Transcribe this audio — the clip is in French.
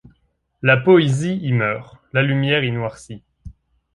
La poésie y meurt, la lumière y noircit ;